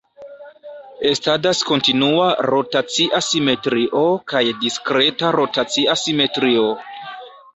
Estadas kontinua rotacia simetrio kaj diskreta rotacia simetrio.